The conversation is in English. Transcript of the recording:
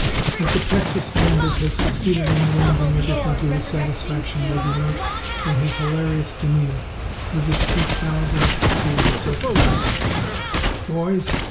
That the Texan bandit has succeeded in arranging everything to his satisfaction may be learnt from his hilarious demeanour, with the speech now addressed to his associates: "Boys!"